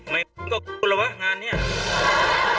ไม่ก็แล้ววะงานเนี่ย